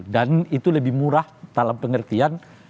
dan itu lebih murah dalam pengertian